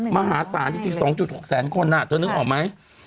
มหาศาลจริง๒๖แสนคนเธอนึกออกไหม